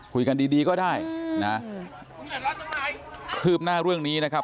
คุยกันดีดีก็ได้นะคืบหน้าเรื่องนี้นะครับ